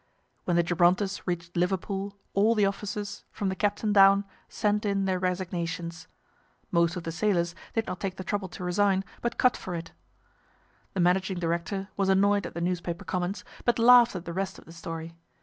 When the Gibrontus reached Liverpool all the officers, from the captain down, sent in their resignations. Most of the sailors did not take the trouble to resign, but cut for it. The managing director was annoyed at the newspaper comments, but laughed at the rest of the story.